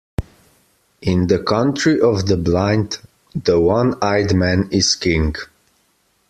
In the country of the blind, the one-eyed man is king.